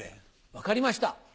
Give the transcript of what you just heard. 分かりました。